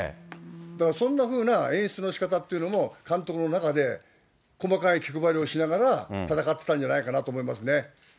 だから、そんなふうな演出のしかたというのも、監督の中で細かい気配りをしながら戦ってたんじゃないかと思いますね。